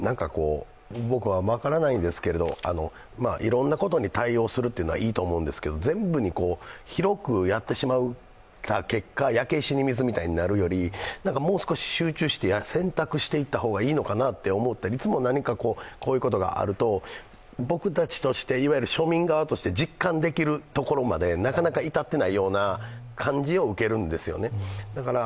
僕は分からないんですけども、いろんなことに対応するのはいいんですけども、全部に広くやってしまった結果焼け石に水みたいになるより、もう少し集中して選択していった方がいいのかなと、いつも何かこういうことがあると、僕たちとして、いわゆる庶民側として実感できるところまでなかなか至っていないような感じを受けるんですよね。